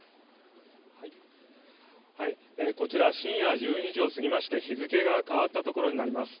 こちら深夜１２時を過ぎまして日付が変わったところになります。